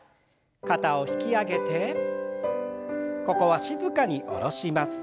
肩を引き上げてここは静かに下ろします。